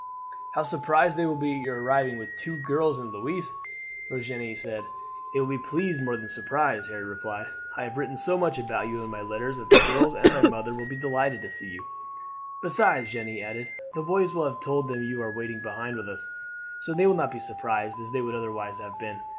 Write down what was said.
"How surprised they will be at your arriving with two girls and Louise!" Virginie said. "They will be pleased more than surprised," Harry replied. "I have written so much about you in my letters that the girls and my mother will be delighted to see you." "Besides," Jeanne added, "the boys will have told them you are waiting behind with us, so they will not be so surprised as they would otherwise have been.